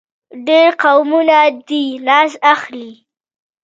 ډېر قومونه دې ناز اخلي.